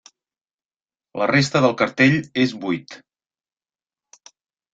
La resta del cartell és buit.